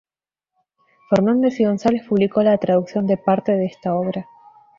Fernández y González publicó la traducción de parte de esta obra.